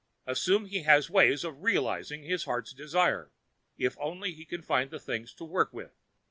Assume he has ways of realizing his heart's desire, if only he can find the things to work with.